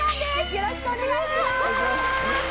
よろしくお願いします。